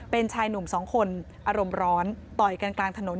เป็นชายหนุ่มสองคนอารมณ์ร้อนต่อยกันกลางถนน